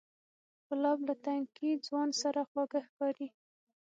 ګلاب له تنکي ځوان سره خواږه ښکاري.